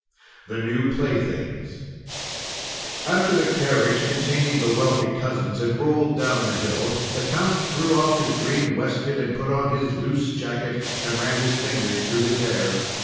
THE NEW PLAYTHINGS After the carriage containing the wealthy cousins had rolled down the hill, the Count threw off his green waistcoat, and put on his loose jacket, and ran his fingers through his hair.